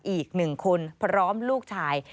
อีกหนึ่งคนพร้อมลูกชาย